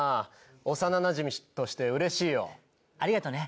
幼なじみとして嬉しいよ。ありがとね。